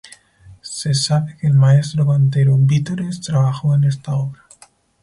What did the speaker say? Se sabe que el maestro cantero Vítores trabajó en esta obra.